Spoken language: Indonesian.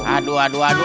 aduh aduh aduh